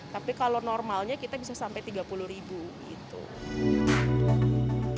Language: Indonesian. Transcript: tapi kalau normalnya kita bisa sampai tiga puluh ribu gitu